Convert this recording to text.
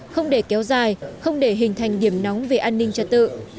không để kéo dài không để hình thành điểm nóng về an ninh trật tự